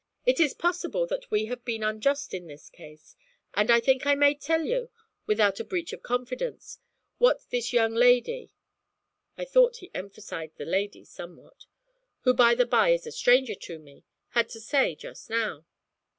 'It is possible that we have been unjust in this case, and I think I may tell you, without a breach of confidence, what this young lady' I thought he emphasized the 'lady' somewhat 'who by the by is a stranger to me, had to say just now.'